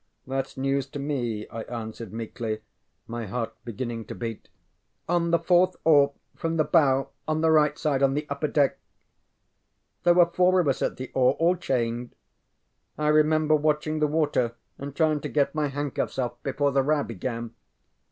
ThatŌĆÖs news to me, ŌĆØ I answered, meekly, my heart beginning to beat. ŌĆ£On the fourth oar from the bow on the right side on the upper deck. There were four of us at the oar, all chained. I remember watching the water and trying to get my handcuffs off before the row began.